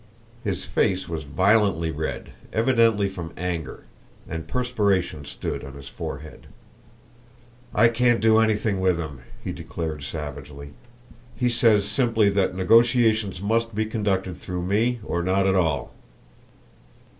His face was violently red, evidently from anger, and perspiration stood on his forehead. "I can't do anything with him," he declared savagely. "He says simply that negotiations must be conducted through me or not at all."